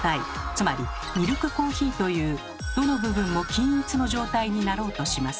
つまりミルクコーヒーというどの部分も均一の状態になろうとします。